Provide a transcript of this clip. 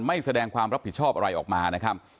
ไม่แสดงความรับผิดชอบอะไรออกมานะครับ